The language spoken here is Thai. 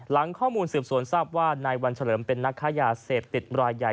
หลังข้อมูลสืบสวนทราบว่านายวันเฉลิมเป็นนักค้ายาเสพติดรายใหญ่